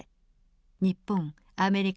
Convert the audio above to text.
日本アメリカ